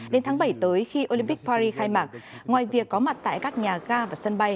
đến tháng bảy tới khi olympic paris khai mạc ngoài việc có mặt tại các nhà ga và sân bay